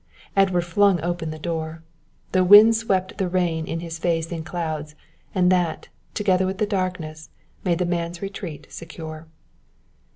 Edward flung open the door. The wind swept the rain in his face in clouds, and that, together with the darkness, made the man's retreat secure.